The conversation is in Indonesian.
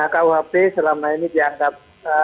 kuhp selama ini dianggap